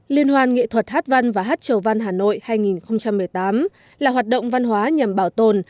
liên hoan nghệ thuật hát văn và hát chầu văn hà nội hai nghìn một mươi tám là hoạt động văn hóa nhằm bảo tồn